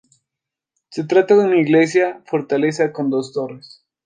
Se trata de una iglesia-fortaleza con dos torres.